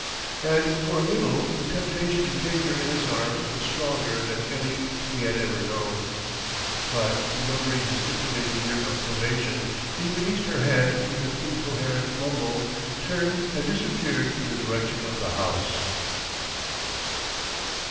And for a little the temptation to take her in his arms was stronger than any he had ever known.... But remembering his stipulated year of probation, he released her hand with an incoherent mumble, turned, and disappeared in the direction of the house.